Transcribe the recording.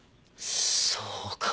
そうか。